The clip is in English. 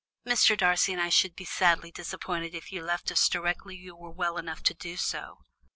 "Mr. Darcy and I should be sadly disappointed if you left us directly you were well enough to do so."